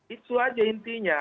itu aja intinya